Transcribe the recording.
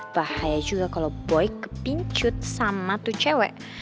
bahaya juga kalau boy kepincut sama tuh cewek